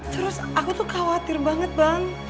terus aku tuh khawatir banget bang